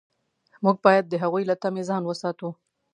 موږ باید د هغوی له طمع ځان وساتو.